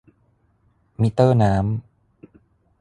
มิเตอร์น้ำ